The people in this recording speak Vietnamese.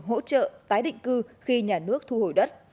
hỗ trợ tái định cư khi nhà nước thu hồi đất